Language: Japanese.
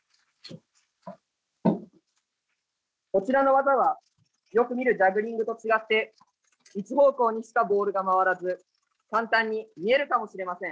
こちらの技はよく見るジャグリングと違って一方向にしかボールが回らず簡単に見えるかもしれません。